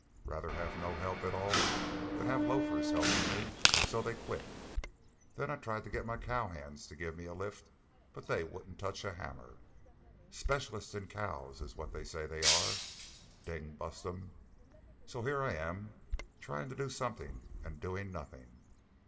Rather have no help at all than have a loafer helping me. So they quit. Then I tried to get my cowhands to give me a lift, but they wouldn't touch a hammer. Specialists in cows is what they say they are, ding bust 'em! So here I am trying to do something and doing nothing.